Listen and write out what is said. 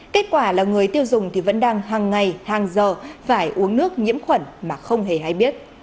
kết quả là người tiêu dùng thì vẫn đang hàng ngày hàng giờ phải uống nước nhiễm khuẩn mà không hề hay biết